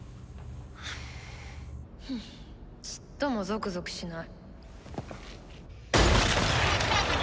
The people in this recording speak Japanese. ちっともゾクゾクしない。